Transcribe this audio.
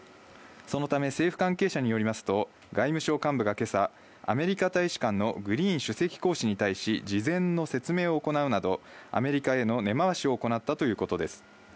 そのため政府関係者によりますと外務省幹部が今朝、アメリカ大使館のグリーン主席公使に対し、事前の説明を行うなど、アメリカへの根回しを行ったということです。